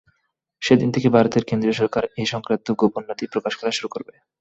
সেদিন থেকে ভারতের কেন্দ্রীয় সরকার এ-সংক্রান্ত গোপন নথি প্রকাশ করা শুরু করবে।